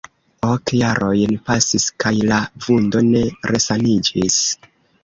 Ok jarojn pasis, kaj la vundo ne resaniĝis.